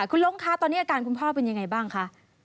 คุณล้งคะตอนนี้อาการคุณพ่อเป็นยังไงบ้างคะ